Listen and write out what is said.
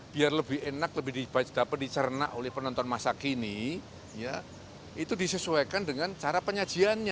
biar lebih enak lebih baik dapat dicerna oleh penonton masa kini itu disesuaikan dengan cara penyajiannya